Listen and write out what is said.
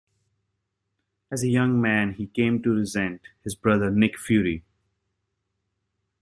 As a young man, he came to resent his brother Nick Fury.